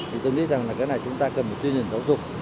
thì tôi nghĩ rằng là cái này chúng ta cần một tuyên truyền giáo dục